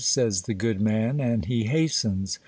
says the good man, and he hastens.